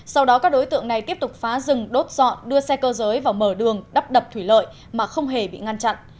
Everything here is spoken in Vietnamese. sau đó các đối tượng này tiếp tục phá rừng đốt dọn đưa xe cơ giới vào mở đường đắp đập thủy lợi mà không hề bị ngăn chặn